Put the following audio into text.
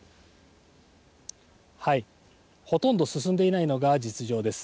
ほとんど進んでいないのが実情です。